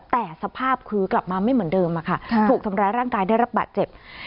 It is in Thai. แต่สภาพคือกลับมาไม่เหมือนเดิมค่ะถูกทำร้ายร่างกายได้รับบาดเจ็บ